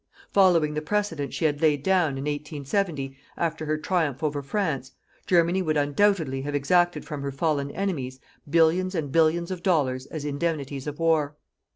Following the precedent she had laid down, in 1870, after her triumph over France, Germany would undoubtedly have exacted from her fallen enemies, billions and billions of dollars as indemnities of war.